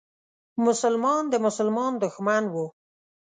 مسلمان د مسلمان دښمن و.